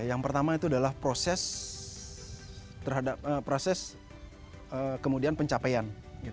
yang pertama itu adalah proses kemudian pencapaian